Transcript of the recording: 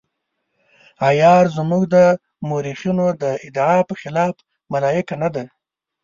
عیار زموږ د مورخینو د ادعا په خلاف ملایکه نه ده.